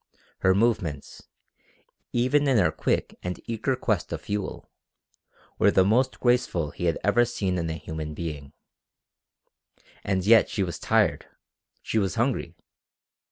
Her movements, even in her quick and eager quest of fuel, were the most graceful he had ever seen in a human being. And yet she was tired! She was hungry!